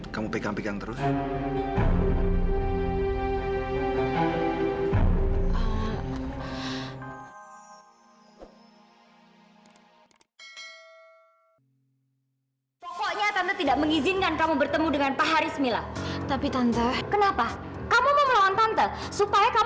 sampai jumpa di video selanjutnya